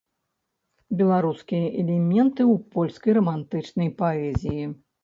Беларускія элементы ў польскай рамантычнай паэзіі.